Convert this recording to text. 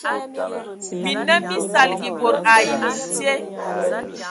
Minnǝm mí saligi bod ai mintye,